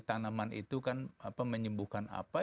tanaman itu kan menyembuhkan apa